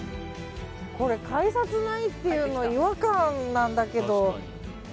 これ改札ないっていうの違和感なんだけど。